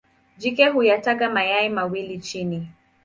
Jike huyataga mayai mawili chini.